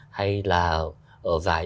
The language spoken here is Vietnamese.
hay là ở vài